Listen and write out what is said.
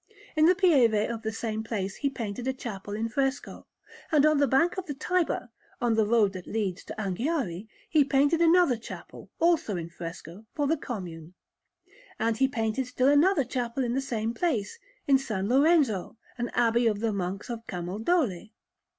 In the Pieve of the same place he painted a chapel in fresco; and on the bank of the Tiber, on the road that leads to Anghiari, he painted another chapel, also in fresco, for the Commune. And he painted still another chapel in the same place, in S. Lorenzo, an abbey of the Monks of Camaldoli.